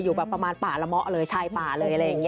อยู่แบบประมาณป่าละเมาะเลยชายป่าเลยอะไรอย่างนี้